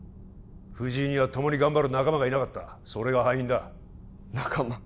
藤井にはともに頑張る仲間がいなかったそれが敗因だ仲間？